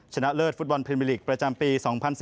ชนะเลิศฟุตบอลพรีมีอลีกประจำปี๒๐๑๕๒๐๑๖